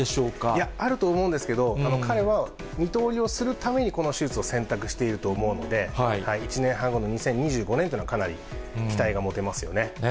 いや、あると思うんですけど、彼は二刀流をするためにこの手術を選択していると思うので、１年半後の２０２５年というのは、かなり期待が持てますよね。